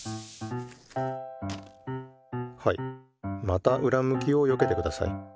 またうらむきをよけてください。